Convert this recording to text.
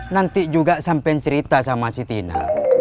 nanti juga sampean cerita sama si tina